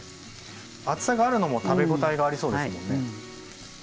厚さがあるのも食べ応えがありそうですもんね。